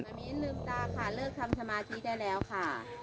ตอนนี้ลืมตาค่ะเลิกทำสมาธิได้แล้วค่ะ